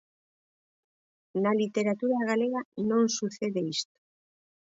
Na literatura galega non sucede isto.